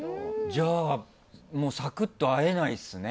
じゃあサクッと会えないですね。